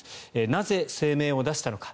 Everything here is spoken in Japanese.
なぜ声明を出したのか。